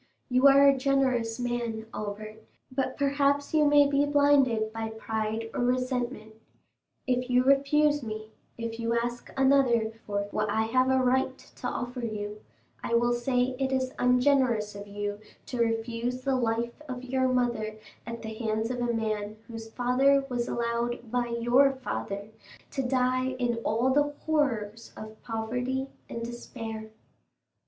You are a generous man, Albert, but perhaps you may be blinded by pride or resentment; if you refuse me, if you ask another for what I have a right to offer you, I will say it is ungenerous of you to refuse the life of your mother at the hands of a man whose father was allowed by your father to die in all the horrors of poverty and despair."